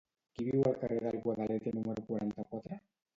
Qui viu al carrer del Guadalete número quaranta-quatre?